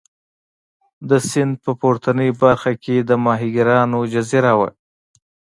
د سیند په پورتنۍ برخه کې د ماهیګیرانو جزیره وه.